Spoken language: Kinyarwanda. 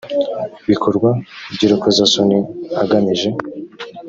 bikorwa by urukozasoni agamije